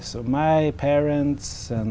của quốc gia